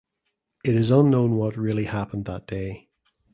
It is unknown what really happened that day.